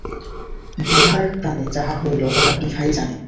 বিভার প্রাণে যাহা হইল তাহা বিভাই জানে!